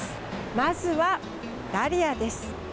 まずはダリアです。